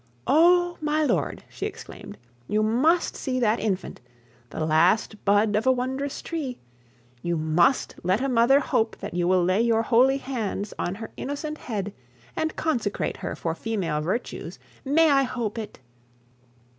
'Oh! My lord,' she exclaimed, 'you must see the infant the last bud of a wondrous tree: you must let a mother hope that you will lay your holy hands on her innocent head, and consecrate her for female virtues. May I hope it?'